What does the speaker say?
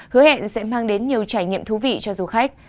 hứa hẹn sẽ mang đến nhiều trải nghiệm thú vị cho du khách